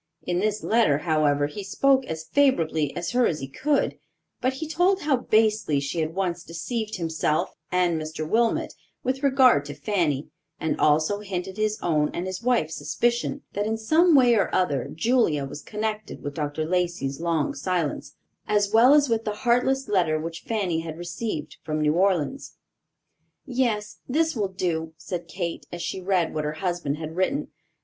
In this letter, however, he spoke as favorably of her as he could; but he told how basely she had once deceived himself and Mr. Wilmot, with regard to Fanny, and also hinted his own and his wife's suspicion, that, in some way or other, Julia was connected with Dr. Lacey's long silence, as well as with the heartless letter which Fanny had received from New Orleans. "Yes, this will do," said Kate, as she read what her husband had written.